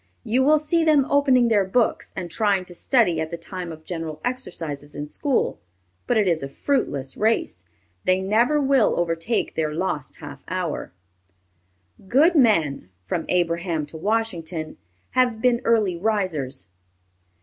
You will see them opening their books and trying to study at the time of general exercises in school; but it is a fruitless race; they never will overtake their lost half hour. Good men, from Abraham to Washington, have been early risers."